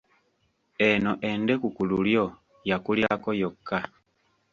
Eno endeku ku lulyo yakulirako yokka.